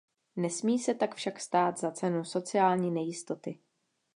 Nesmí se tak však stát za cenu sociální nejistoty.